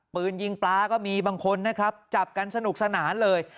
ปืนยิงปลาก็มีบางคนนะครับจับกันสนุกสนานเลย